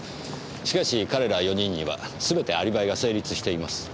しかし彼ら４人にはすべてアリバイが成立しています。